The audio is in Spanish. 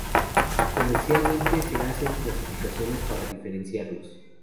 Comercialmente se hacen clasificaciones para diferenciarlos.